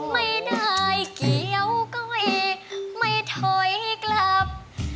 ไม่ได้เกี่ยวก้อยไม่ถอยกลับ